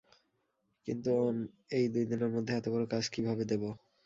কিন্তু ওম, এই দুই দিনের মধ্যে এতবড় কাজ কিভাবে দেব?